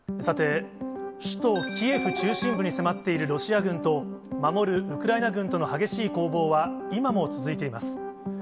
さて、首都キエフ中心部に迫っているロシア軍と、守るウクライナ軍との激しい攻防は、今も続いています。